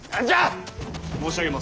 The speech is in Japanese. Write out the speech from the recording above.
申し上げます。